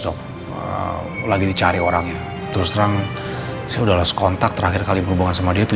dok lagi dicari orangnya terus terang saya udah kontak terakhir kali berhubungan sama dia itu